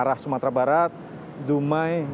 arah sumatera barat dumai